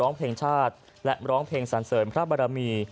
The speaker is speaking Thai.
ร้องเพลงชาติและร้องเพลงสันเสริมพระบรมี